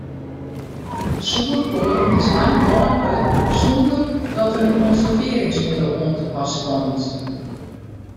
Soerkoal is lang hâldber sonder dat der in konservearringsmiddel oan te pas komt.